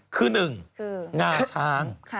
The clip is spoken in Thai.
คือหนึ่งงาช้าง